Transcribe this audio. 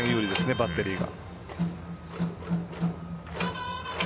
バッテリーが。